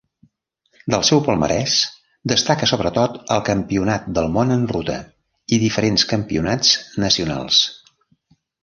Del seu palmarès destaca sobretot el Campionat del món en ruta, i diferents campionats nacionals.